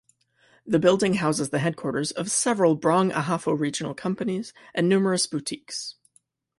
The building houses the headquarters of several Brong-Ahafo regional companies, and numerous boutiques.